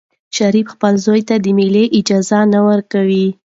شریف خپل زوی ته د مېلې اجازه نه ورکوي.